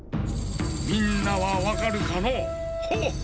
⁉みんなはわかるかのう？